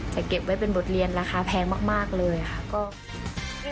เก็บไว้เป็นบทเรียนราคาแพงมากเลยค่ะ